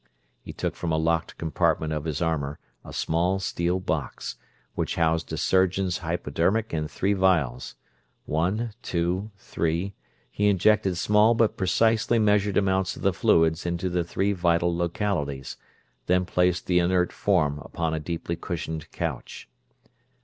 He took from a locked compartment of his armor a small steel box, which housed a surgeon's hypodermic and three vials. One, two, three, he injected small, but precisely measured amounts of the fluids into the three vital localities, then placed the inert form upon a deeply cushioned couch.